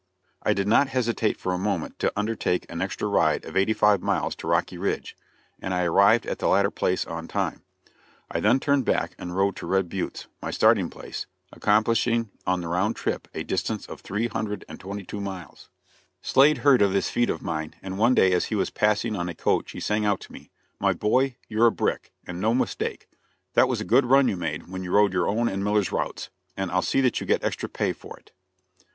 I did not hesitate for a moment to undertake an extra ride of eighty five miles to Rocky Ridge, and I arrived at the latter place on time. I then turned back and rode to Red Buttes, my starting place, accomplishing on the round trip a distance of 322 miles. [Illustration: I IMMEDIATELY CHANGED HORSES] Slade heard of this feat of mine, and one day as he was passing on a coach he sang out to me, "My boy, you're a brick, and no mistake. That was a good run you made when you rode your own and Miller's routes, and I'll see that you get extra pay for it."